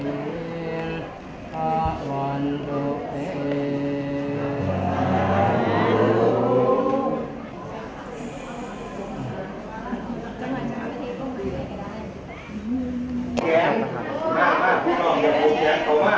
ทุติยังปิตพุทธธาเป็นที่พึ่ง